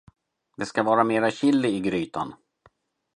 Det ska vara mera chili i grytan.